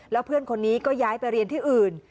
แล้วเพื่อนคนนี้ก็ย้ายไปเรียนที่อื่น